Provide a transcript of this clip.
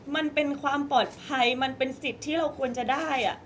มันเป็นความปลอดภัยมันเป็นสิทธิ์ที่เราควรจะได้